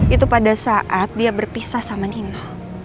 itu pada saat dia berpisah sama dino